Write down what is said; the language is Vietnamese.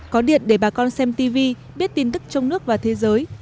có điện để bà con xem tv biết tin tức trong nước và thế giới